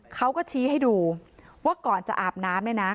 เขาก็ชี้ให้ดูว่าก่อนจะอาบน้ำเนี่ยนะ